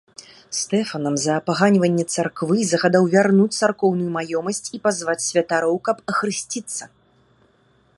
Стэфанам за апаганьванне царквы, загадаў вярнуць царкоўную маёмасць і пазваць святароў, каб ахрысціцца.